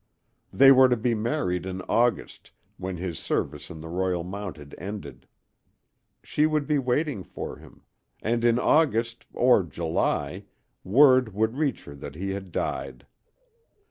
They were to be married in August, when his service in the Royal Mounted ended. She would be waiting for him. And in August or July word would reach her that he had died.